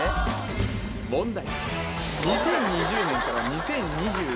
問題